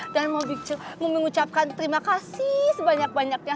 dan mau mengucapkan terima kasih sebanyak banyaknya